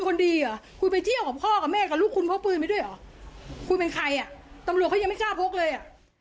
คนดีเหรอคนดีเหรอ